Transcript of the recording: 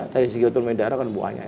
dari segi turun menjara kan buahnya